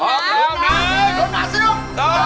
ร้อนหน้าซุดนุก